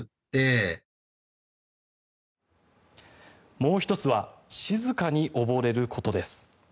もう１つは静かに溺れることです。